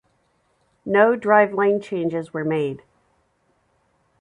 No driveline changes were made.